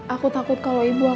aku takut kalo ibu aku tau